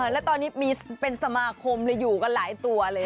แล้วตอนนี้มีเป็นสมาคมเลยอยู่กันหลายตัวเลย